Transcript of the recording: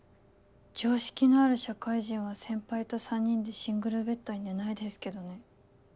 常識のある社会人は先輩と３人でシングルベッドに寝ないですけどね。